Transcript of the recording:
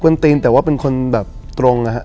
กวนตีนแต่ว่าเป็นคนแบบตรงนะฮะ